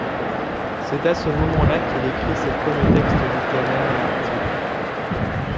C'est à ce moment-là qu'il écrit ses premiers textes littéraires et articles.